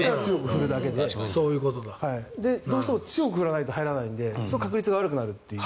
どうしても強く振らないと入らないので確率が悪くなるという。